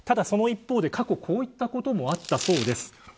その一方で過去こういったこともあったそうです。